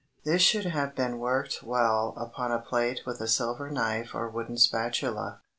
This should have been worked well upon a plate with a silver knife or wooden spatula.